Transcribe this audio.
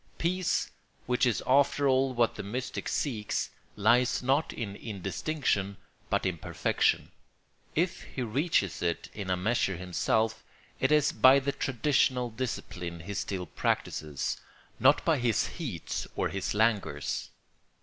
Peace, which is after all what the mystic seeks, lies not in indistinction but in perfection. If he reaches it in a measure himself, it is by the traditional discipline he still practises, not by his heats or his languors.